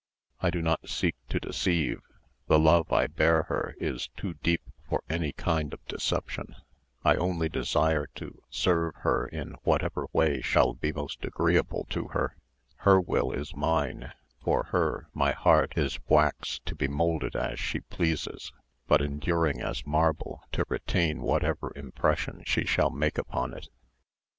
I do not seek to deceive; the love I bear her is too deep for any kind of deception; I only desire to serve her in whatever way shall be most agreeable to her; her will is mine; for her my heart is wax to be moulded as she pleases but enduring as marble to retain whatever impression she shall make upon it.